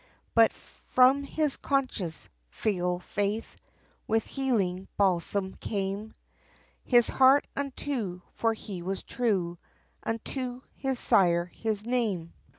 But from his conscience, filial faith, With healing balsam came His heart unto, for he was true, Unto his Sire, his name.